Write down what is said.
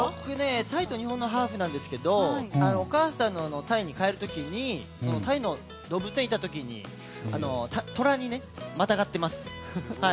タイと日本のハーフなんですけどお母さんがタイに帰る時にタイの動物園に行った時にトラにまたがってます。